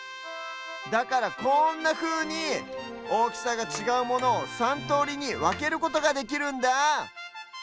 だからこんなふうにおおきさがちがうものを３とおりにわけることができるんだ！